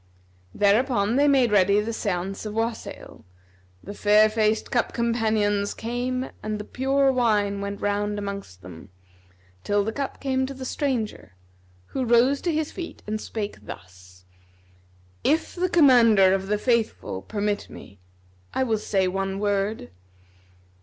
Thereupon they made ready the sйance of wassail; the fair faced cup companions came and the pure wine[FN#252] went round amongst them, till the cup came to the stranger, who rose to his feet and spake thus, "If the Commander of the Faithful permit me, I will say one word."